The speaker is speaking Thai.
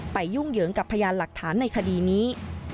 ยุ่งเหยิงกับพยานหลักฐานในคดีนี้